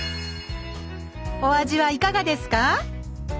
お味はいかがですか？